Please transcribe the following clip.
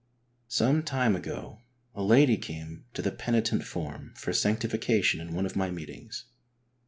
Some time ago a lady came to the penitent form for sanctification in one of my meetings.